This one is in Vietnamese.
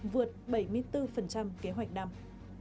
vượt bảy mươi bốn kế hoạch đam